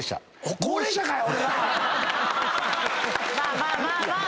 まあまあまあまあ！